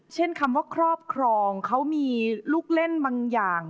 คำว่าครอบครองเขามีลูกเล่นบางอย่าง